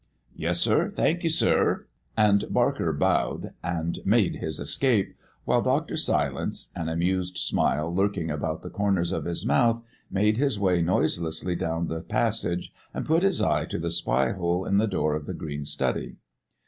"Yes, sir; thank you, sir!" And Barker bowed and made his escape, while Dr. Silence, an amused smile lurking about the corners of his mouth, made his way noiselessly down the passage and put his eye to the spy hole in the door of the green study.